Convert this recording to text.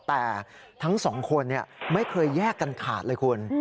แต่ทั้งสองคนไม่เคยแยกกันขาดเลยคุณ